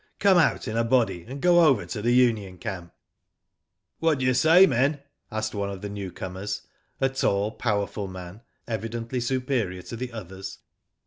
Come out in a body, and go over to the union camp." "What do you say men? "asked one of the newcomers, a tall, powerful man, evidently superior to the others.